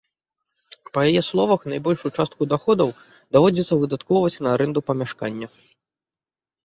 Па яе словах, найбольшую частку даходаў даводзіцца выдаткоўваць на арэнду памяшкання.